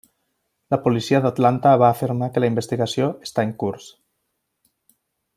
La policia d'Atlanta va afirmar que la investigació està en curs.